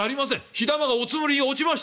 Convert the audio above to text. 火玉がおつむりに落ちましたよ」。